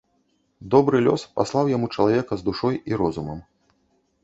Добры лёс паслаў яму чалавека з душой і розумам.